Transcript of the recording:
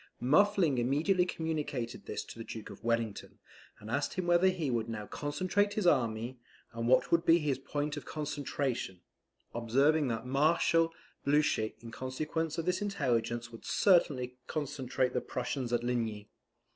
Muffling immediately communicated this to the Duke of Wellington; and asked him whether he would now concentrate his army, and what would be his point of concentration; observing that Marshal Blucher in consequence of this intelligence would certainly concentrate the Prussians at Ligny.